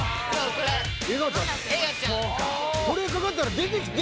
これかかったら出てきそう。